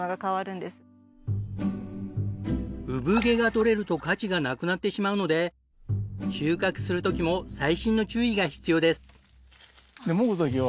産毛が取れると価値がなくなってしまうので収穫する時も細心の注意が必要です。